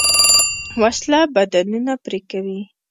وسله بدنونه پرې کوي